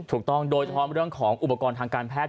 ถูกต้องโดยเฉพาะเรื่องของอุปกรณ์ทางการแพทย์